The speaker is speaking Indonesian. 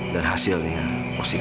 dan hasilnya positif